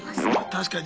確かに。